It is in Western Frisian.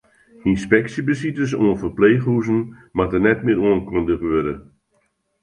Ynspeksjebesites oan ferpleechhûzen moatte net mear oankundige wurde.